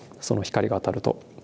その光が当たると。